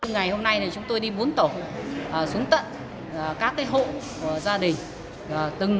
ngày hôm nay chúng tôi đi bốn tổ xuống tận các hộ gia đình